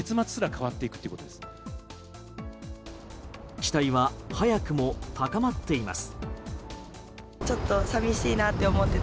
期待は早くも高まっています。